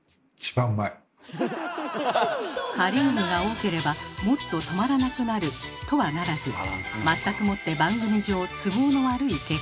「カリウムが多ければもっと止まらなくなる」とはならず全くもって番組上都合の悪い結果に。